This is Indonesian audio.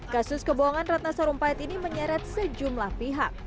kasus kebohongan ratna sarumpait ini menyeret sejumlah pihak